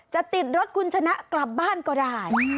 จะติดรถคุณชนะกลับบ้านก็ได้